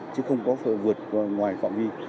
chứ không có vượt ngoài phạm vi